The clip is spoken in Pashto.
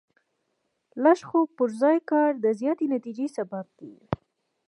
لږ خو پر ځای کار د زیاتې نتیجې سبب کېږي.